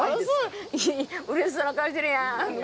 うれしそうな顔してるやん。